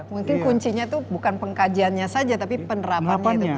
mungkin kuncinya itu bukan pengkajiannya saja tapi penerapannya itu